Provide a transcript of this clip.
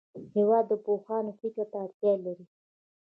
هېواد د پوهانو فکر ته اړتیا لري.